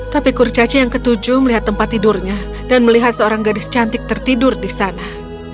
tapi kurcaci yang ketujuh melihat tempat tidurnya dan melihat seorang gadis cantik tertidur di sana